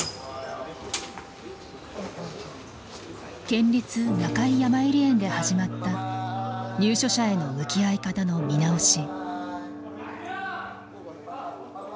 県立中井やまゆり園で始まった入所者への向き合い方の見直し。